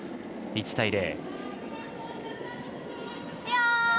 １対０。